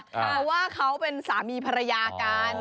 เพราะว่าเขาเป็นสามีภรรยากัน